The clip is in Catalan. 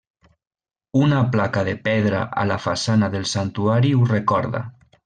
Una placa de pedra a la façana del santuari ho recorda.